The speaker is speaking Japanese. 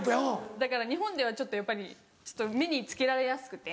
だから日本ではちょっとやっぱり目につけられやすくて。